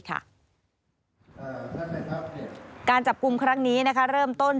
การจับกลุ่มครั้งนี้เริ่มต้น